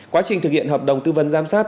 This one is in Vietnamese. quá trình thực hiện hợp đồng tư vấn giám sát